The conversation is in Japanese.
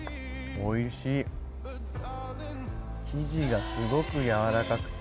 おいしい、生地がすごくやわらかくて。